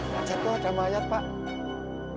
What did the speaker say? pencat tuh ada mayat pak